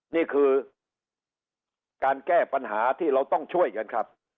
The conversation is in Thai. นี่คือการแก้ปัญหาที่เราต้องช่วยกันครับ